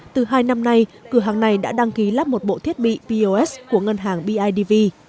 từ hai năm nay cửa hàng này đã đăng ký lắp một bộ thiết bị pos của ngân hàng bidv